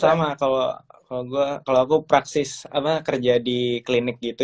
sama kalau aku praksis kerja di klinik gitu